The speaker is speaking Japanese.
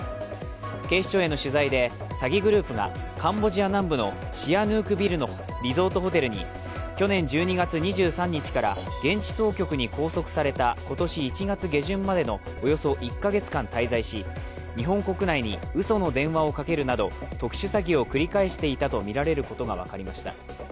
警視庁への取材で、詐欺グループがカンボジア南部のシアヌークビルのリゾートホテルに去年１２月２３日から現地当局に拘束された今年１月下旬までのおよそ１か月間滞在し、日本国内にうその電話をかけるなど特殊詐欺を繰り返していたとみられることが分かりました。